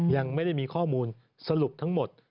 ยังไม่ได้มีข้อมูลสรุปทั้งหมด